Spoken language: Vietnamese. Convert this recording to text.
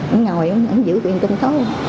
ông ngồi ông giữ quyền tình thôi